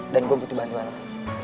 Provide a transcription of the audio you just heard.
dan gue butuh bantuan lo